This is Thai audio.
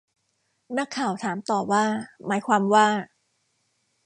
นักข่าวถามต่อว่าหมายความว่า